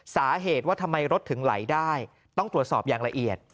สาเหตุว่าทำไมรถถึงไหลได้ต้องตรวจสอบอย่างละเอียด